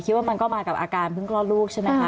มันก็มากับอาการเพิ่งคลอดลูกใช่ไหมคะ